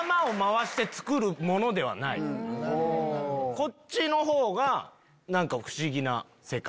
こっちのほうが不思議な世界。